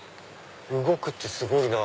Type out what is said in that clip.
動くってすごいな。